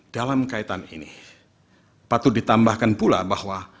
dalam kaitan ini patut ditambahkan pula bahwa